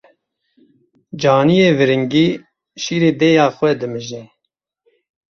Caniyê viringî şîrê dêya xwe dimije.